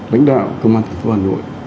lãnh đạo công an thành phố hà nội